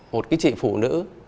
một cái chị phụ nữ